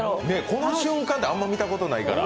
この瞬間って、あまり見たことないから。